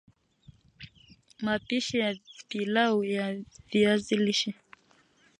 mapishi ya pilau ya viazi lishe